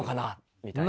みたいな。